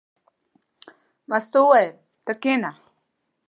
مستو وویل: ته کېنه.